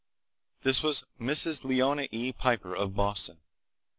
This was Mrs. Leonora E. Piper, of Boston.